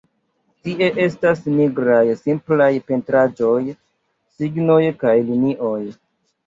Tie estas nigraj simplaj pentraĵoj, signoj kaj linioj.